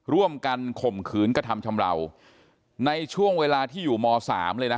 ร่วมกันข่มขืนกระทำชำราวในช่วงเวลาที่อยู่ม๓เลยนะ